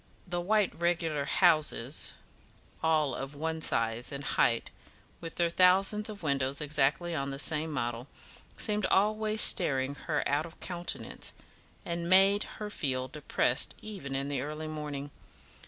The white regular houses, all of one size and height, with their thousands of windows exactly on the same model, seemed always staring her out of countenance, and made her feel depressed even in the early morning.